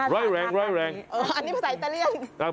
ร่อยแรงอันนี้ภาษาอิตาเลี่ยง